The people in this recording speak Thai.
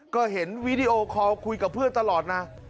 ก็เห็นวีดีโอคอลคุยกับเพื่อนตลอดนะ